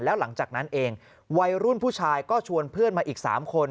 แล้วหลังจากนั้นเองวัยรุ่นผู้ชายก็ชวนเพื่อนมาอีก๓คน